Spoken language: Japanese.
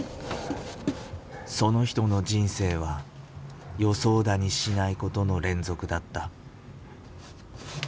その人の人生は予想だにしないことの連続だった。